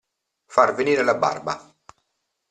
Far venire la barba.